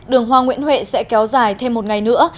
đường hoa nguyễn huệ sẽ kéo dài thêm một ngày nữa